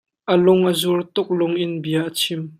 A lung a zur tuk lungin bia a chim.